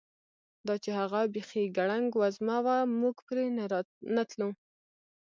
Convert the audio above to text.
دا چې هغه بیخي ګړنګ وزمه وه، موږ پرې نه تلو.